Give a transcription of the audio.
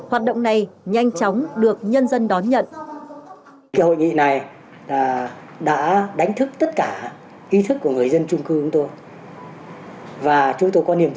hoạt động này nhanh chóng được nhân dân đón nhận